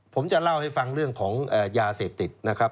ผมจะเล่าให้ฟังเรื่องของยาเสพติดนะครับ